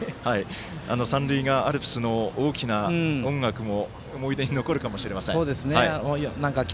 三塁側アルプスの大きな音楽も思い出に残るかもしれません。